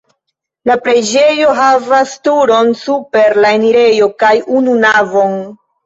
La preĝejo havas turon super la enirejo kaj unu navon.